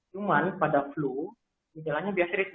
cuman pada flu gejalanya biasanya tidak sama